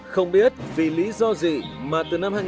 không biết vì lý do gì mà từ năm hai nghìn một mươi